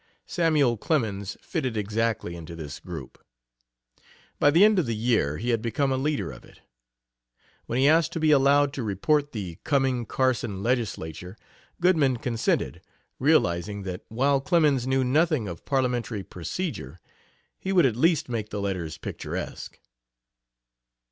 Samuel Clemens fitted exactly into this group. By the end of the year he had become a leader of it. When he asked to be allowed to report the coming Carson legislature, Goodman consented, realizing that while Clemens knew nothing of parliamentary procedure, he would at least make the letters picturesque.